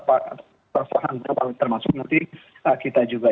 pasar saham tersebut termasuk nanti kita juga